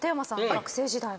学生時代は。